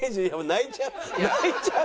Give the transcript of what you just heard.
泣いちゃう。